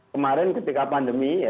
kemarin ketika pandemi ya